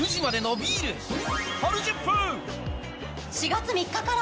４月３日から。